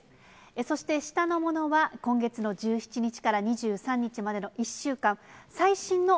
そして下のものは、今月の１７日から２３日までの１週間。